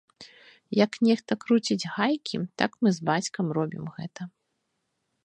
Як нехта круціць гайкі, так мы з бацькам робім гэта.